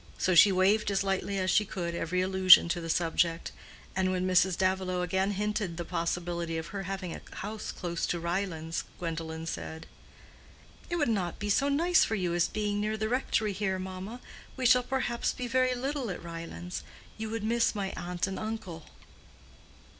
So she waived as lightly as she could every allusion to the subject; and when Mrs. Davilow again hinted the possibility of her having a house close to Ryelands, Gwendolen said, "It would not be so nice for you as being near the rectory here, mamma. We shall perhaps be very little at Ryelands. You would miss my aunt and uncle."